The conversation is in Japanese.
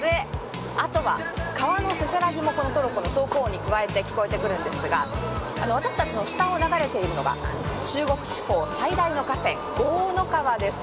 あとは川のせせらぎも、このトロッコの走行音とともに聞こえてくるんですが、私たちの下を流れているのが中国地方最大の河川・江の川です。